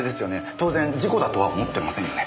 当然事故だとは思ってませんよね？